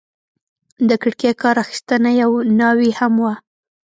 د کړکۍ کار اخیسته، یوه ناوې هم وه.